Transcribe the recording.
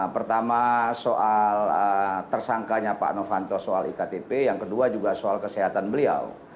pertama soal tersangkanya pak novanto soal iktp yang kedua juga soal kesehatan beliau